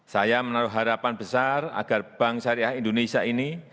saya menaruh harapan besar agar bank syariah indonesia ini